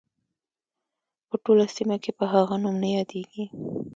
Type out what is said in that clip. په ټوله سیمه کې په هغه نوم نه یادیږي.